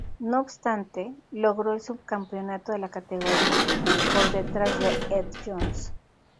No obstante, logró el subcampeonato de la categoría, por detrás de Ed Jones.